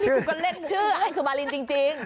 จริงป่ะคุณมาเล่นชื่ออังสุมารินจริง